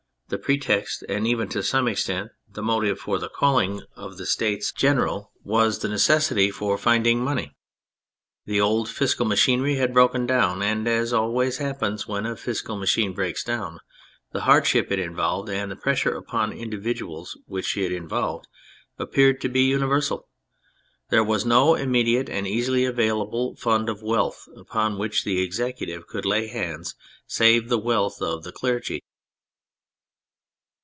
The pretext and even to some ex tent the motive for the calling of the States THE CATHOLIC CHURCH 233 General was the necessity for finding money. The old fiscal machinery had broken down, and as always happens when a fiscal machine breaks down, the hardship it involved, and the pressure upon individuals which it in volved, appeared to be universal. There was no iminediate and easily available fund of wealth upon which the Executive could lay hands save the wealth of the clergy.